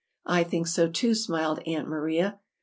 "I think so, too," smiled Aunt Maria.